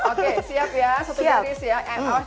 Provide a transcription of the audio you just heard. oke siap ya satu diri siap